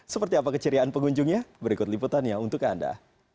seperti apa keceriaan pengunjungnya berikut liputannya untuk anda